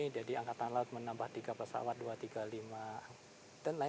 jadi angkatan laut menambah tiga pesawat dua tiga lima dan lain lain